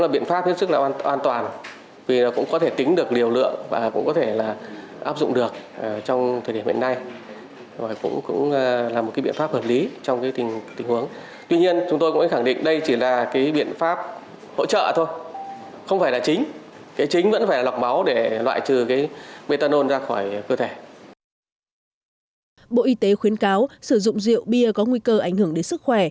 bộ y tế khuyến cáo sử dụng rượu bia có nguy cơ ảnh hưởng đến sức khỏe